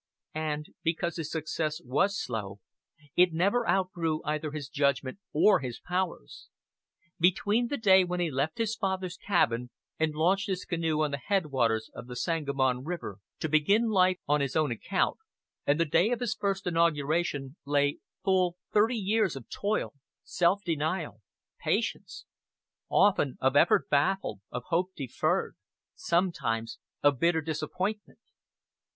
And, because his success was slow, it never outgrew either his judgment or his powers. Between the day when he left his father's cabin and launched his canoe on the headwaters of the Sangamon River to begin life on his own account, and the day of his first inauguration, lay full thirty years of toil, self denial, patience; often of effort baffled, of hope deferred; sometimes of bitter disappointment.